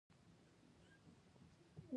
د ښځینه کارمندانو بندیز اقتصاد ته زیان رسولی؟